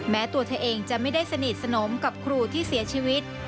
แม้ตัวเธอเองจะไม่ได้สนิทสนมกับครูที่เสียชีวิต